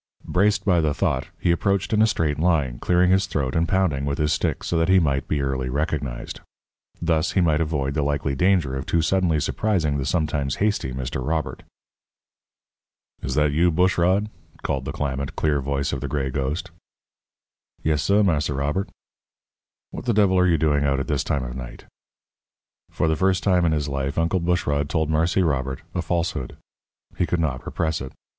Braced by the thought, he approached in a straight line, clearing his throat and pounding with his stick so that he might be early recognized. Thus he might avoid the likely danger of too suddenly surprising the sometimes hasty Mr. Robert. "Is that you, Bushrod?" called the clamant, clear voice of the gray ghost. "Yes, suh, Marse Robert." "What the devil are you doing out at this time of night?" For the first time in his life, Uncle Bushrod told Marse Robert a falsehood. He could not repress it.